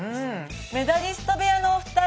メダリスト部屋のお二人。